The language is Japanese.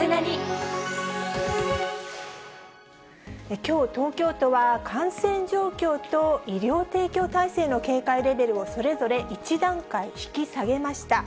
きょう、東京都は、感染状況と医療提供体制の警戒レベルをそれぞれ１段階引き下げました。